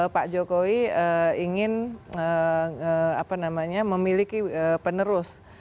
pak jokowi ingin memiliki penerus